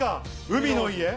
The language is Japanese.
海の家。